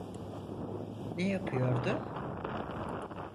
Ne yapıyordu?